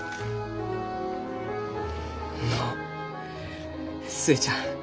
のう寿恵ちゃん